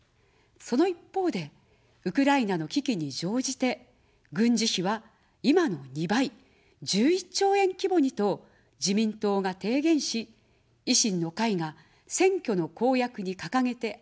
その一方で、ウクライナの危機に乗じて、軍事費は今の２倍、１１兆円規模にと自民党が提言し、維新の会が選挙の公約に掲げてあおっています。